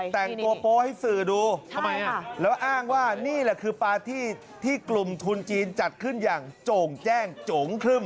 แต่งตัวโป๊ให้สื่อดูทำไมแล้วอ้างว่านี่แหละคือปาร์ตี้ที่กลุ่มทุนจีนจัดขึ้นอย่างโจ่งแจ้งโจ๋งครึ่ม